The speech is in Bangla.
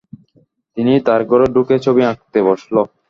তিন্নি তার ঘরে ঢুকে ছবি আঁকতে বসল।